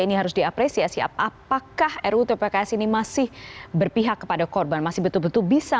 ini harus diapresiasi apakah rutpks ini masih berpihak kepada korban masih betul betul bisa